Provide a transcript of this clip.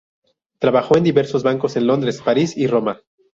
Trabajó en diversos bancos en Londres, París y Roma.